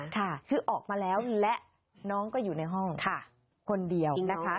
ค่ะคือออกมาแล้วและน้องก็อยู่ในห้องคนเดียวนะคะ